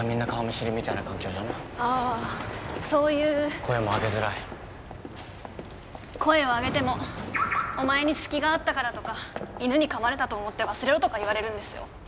そういう声も上げづらい声を上げてもお前に隙があったからとか犬に噛まれたと思って忘れろとか言われるんですよ